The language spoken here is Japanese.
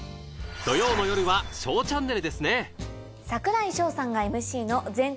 土曜の夜は『ＳＨＯＷチャンネル』ですね